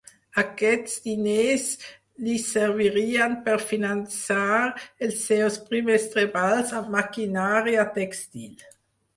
Aquests diners li servirien per finançar els seus primers treballs amb maquinària tèxtil.